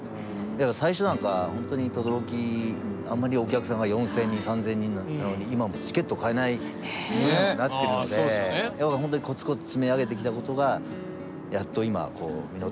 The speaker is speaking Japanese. だから最初なんか本当に等々力あんまりお客さんが４，０００人３，０００人なのに今もうチケット買えないぐらいになってるのでやっぱ本当にコツコツ積み上げてきたことがやっと今実ってるなというふうに思いますし